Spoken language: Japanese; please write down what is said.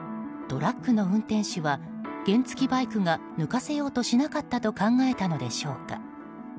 トラックの運転手は原付きバイクが抜かせようとしなかったと考えたのでしょうか。